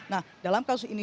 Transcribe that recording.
nah dalam kasus ini